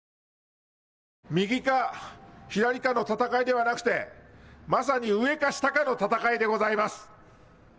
右か左かの戦いではなくてまさに上か下かの戦いでございます。